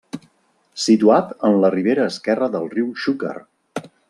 Situat en la ribera esquerra del riu Xúquer.